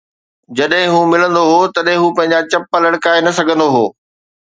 جڏهن هو ملندو هو، تڏهن هو پنهنجا چپ لڙڪائي نه سگهندو هو